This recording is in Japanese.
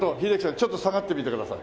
ちょっと下がってみてください。